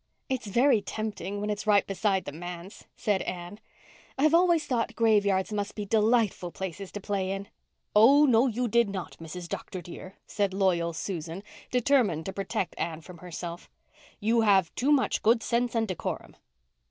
"It's very tempting, when it's right beside the manse," said Anne. "I've always thought graveyards must be delightful places to play in." "Oh, no, you did not, Mrs. Dr. dear," said loyal Susan, determined to protect Anne from herself. "You have too much good sense and decorum."